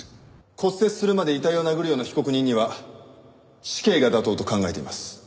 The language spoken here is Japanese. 骨折するまで遺体を殴るような被告人には死刑が妥当と考えています。